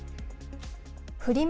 フリマ